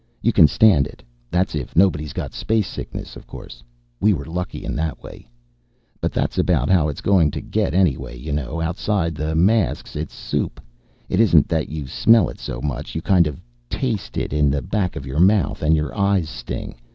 You can stand it. That's if nobody's got space sickness, of course. We were lucky that way. "But that's about how it's going to get anyway, you know. Outside the masks, it's soup. It isn't that you smell it so much. You kind of taste it, in the back of your mouth, and your eyes sting.